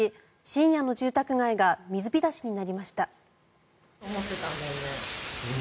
深夜の住宅街が水浸しになりました。